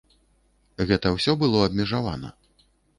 Гэта ўсё было абмежавана.